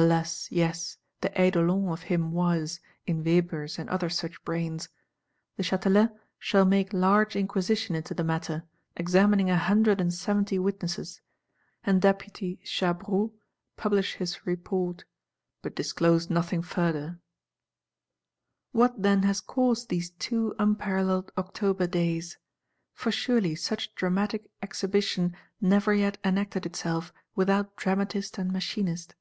Alas, yes, the Eidolon of him was,—in Weber's and other such brains. The Chatelet shall make large inquisition into the matter, examining a hundred and seventy witnesses, and Deputy Chabroud publish his Report; but disclose nothing farther. What then has caused these two unparalleled October Days? For surely such dramatic exhibition never yet enacted itself without Dramatist and Machinist.